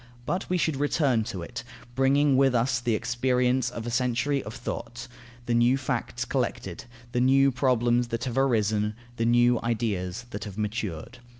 But we should return to it, bringing with us the experience of a century of thought, the new facts collected, the new problems that have arisen, the new ideas that have matured.